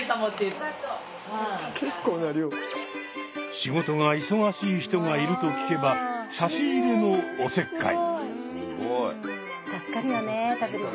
仕事が忙しい人がいると聞けば差し入れのおせっかい。